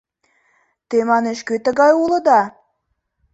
— Те, манеш, кӧ тугай улыда?